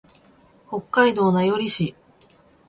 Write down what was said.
北海道名寄市